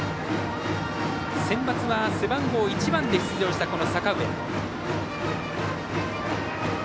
センバツは背番号１番で出場した阪上。